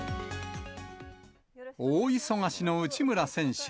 大忙しの内村選手。